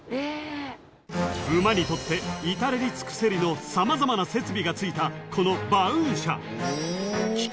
［馬にとって至れり尽くせりの様々な設備がついたこの馬運車］